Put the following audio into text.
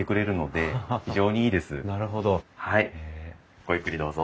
ごゆっくりどうぞ。